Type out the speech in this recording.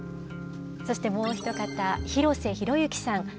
そしてもう一方広瀬宏之さん。